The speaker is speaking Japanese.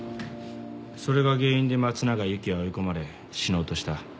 それが原因で松永由貴は追い込まれ死のうとした。